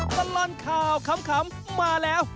ตลอดข่าวขำมาแล้ว